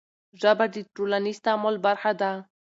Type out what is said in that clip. ژبه د ټولنیز تعامل برخه ده.